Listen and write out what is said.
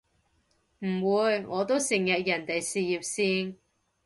唔會，我都成日人哋事業線